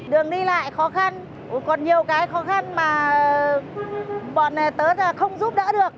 đường đi lại khó khăn còn nhiều cái khó khăn mà bọn tớ không giúp đỡ được